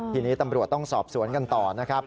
ทีนี้ตำรวจต้องสอบสวนกันต่อนะครับ